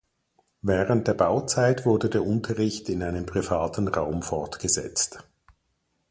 Während der Bauzeit wurde der Unterricht in einem privaten Raum fortgesetzt.